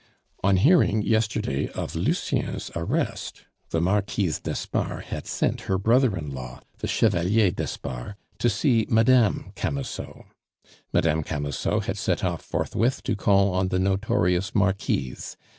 On hearing, yesterday, of Lucien's arrest, the Marquise d'Espard had sent her brother in law, the Chevalier d'Espard, to see Madame Camusot. Madame Camusot had set off forthwith to call on the notorious Marquise.